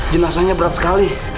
bersama mereka mengasser